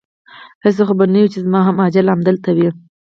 هسې خو به نه وي چې زما هم اجل همدلته وي؟